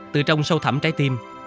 từ trong sâu thẳm trái tim